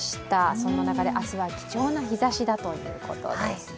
そんな中で明日は貴重な日ざしだということです。